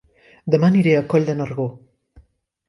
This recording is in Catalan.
Dema aniré a Coll de Nargó